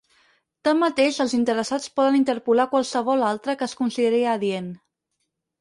Tanmateix els interessats poden interpolar qualsevol altre que es consideri adient.